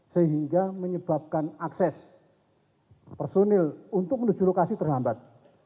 sehingga menyebabkan akses personil untuk menuju lokasi terhambat